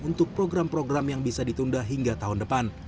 untuk program program yang bisa ditunda hingga tahun depan